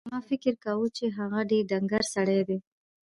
ما فکر کاوه چې هغه ډېر ډنګر سړی دی.